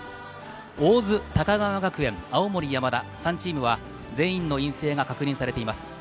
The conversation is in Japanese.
大津、高川学園、青森山田、３チームは全員の陰性が確認されています。